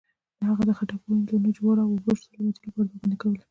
هغه د خټکو، هندواڼو، جوارو او اوربشو د سلامتۍ لپاره دعاګانې کولې.